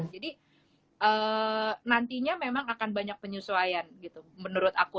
jadi nantinya memang akan banyak penyesuaian menurut aku